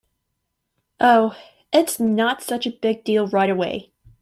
Oh, it’s not such a big deal right away.